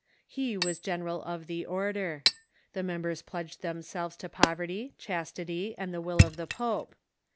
He was general of the order. The members pledged them selves to poverty, chastity, and the will of the pope.